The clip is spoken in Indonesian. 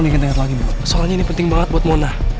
tolong inget inget lagi mbak soalnya ini penting banget buat mona